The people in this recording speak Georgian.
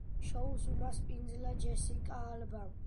შოუს უმასპინძლა ჯესიკა ალბამ.